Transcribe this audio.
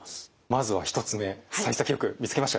まずは１つ目さい先よく見つけましたよ。